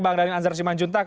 bang dhanil anzar simanjuntak